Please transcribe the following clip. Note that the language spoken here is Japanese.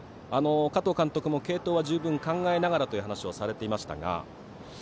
加藤監督も継投は十分考えながらという話をされていましたが。